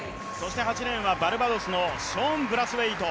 ８レーンはバルバドスのショーン・ブラスウェイト。